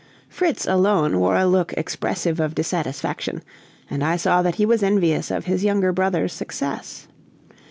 Fritz alone wore a look expressive of dissatisfaction, and I saw that he was envious of his younger brother's success.